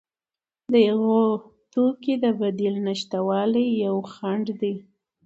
د یو توکي د بدیل نشتوالی یو خنډ دی.